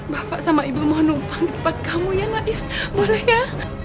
bapak sama ibu mau numpang di tempat kamu ya mak ya boleh ya